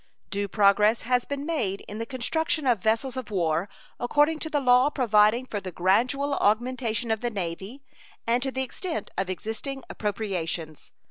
Due progress has been made in the construction of vessels of war according to the law providing for the gradual augmentation of the Navy, and to the extent of existing appropriations.